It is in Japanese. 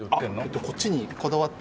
こっちにこだわってる。